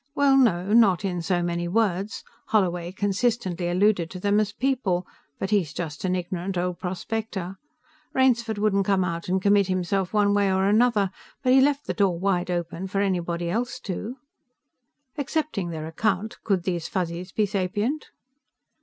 "Well, no; not in so many words. Holloway consistently alluded to them as people, but he's just an ignorant old prospector. Rainsford wouldn't come out and commit himself one way or another, but he left the door wide open for anybody else to." "Accepting their account, could these Fuzzies be sapient?"